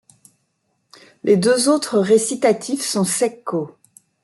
Les deux autres récitatifs sont secco.